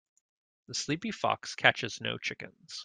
The sleepy fox catches no chickens.